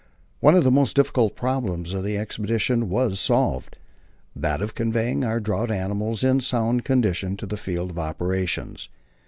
One of the most difficult problems of the expedition was solved that of conveying our draught animals in sound condition to the field of operations.